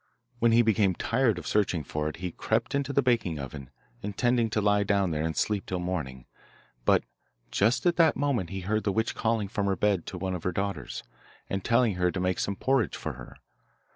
When he became tired of searching for it he crept into the baking oven, intending to lie down there and sleep till morning; but just at that moment he heard the witch calling from her bed to one of her daughters, and telling her to make some porridge for her.